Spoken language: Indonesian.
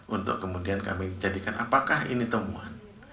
untuk kemudian kami jadikan apakah ini temuan